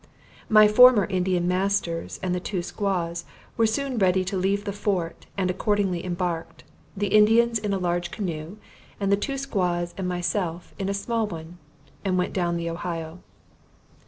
My former Indian masters, and the two squaws, were soon ready to leave the fort, and accordingly embarked; the Indians in a large canoe, and the two squaws and myself in a small one, and went down the Ohio.